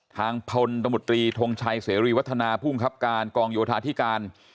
ทางพลตมตรีทงชัยเสรีวัฒนาภูมิครับการกองโยธาธิการ